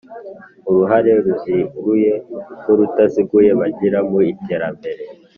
uruhare ruziguye n urutaziguye bagira mu iterambere